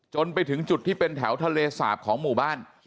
จนไปถึงจุดที่เป็นแถวทะเลสาบของหมู่บ้าน